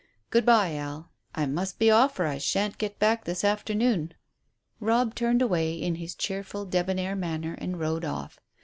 Good bye, Al; I must be off or I shan't get back this afternoon." Robb turned away in his cheerful, debonair manner and rode off.